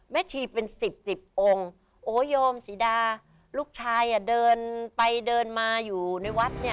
แม่ชีเป็นสิบองค์โอโยมสิดาลูกชายเดินไปเดินมาอยู่ในวัดเนี่ย